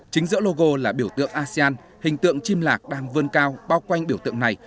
chính giữa logo là biểu tượng asean hình tượng chim lạc đam vơn cao bao quanh biểu tượng này